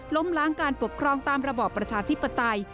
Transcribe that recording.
ล้มล้างการปกครองตามระบอบประชาธิปไตย